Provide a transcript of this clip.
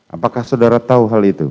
apakah saudara tahu hal itu